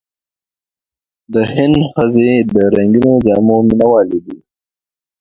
د هند ښځې د رنګینو جامو مینهوالې دي.